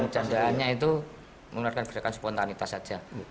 candaannya itu menggunakan gerakan spontanitas saja